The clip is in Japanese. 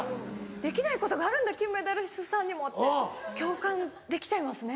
「できないことがあるんだ金メダリストさんにも」って共感できちゃいますね。